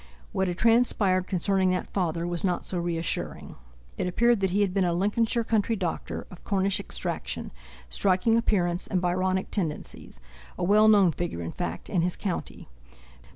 What had transpired concerning that father was not so reassuring. It appeared that he had been a Lincolnshire country doctor of Cornish extraction, striking appearance, and Byronic tendencies—a well known figure, in fact, in his county.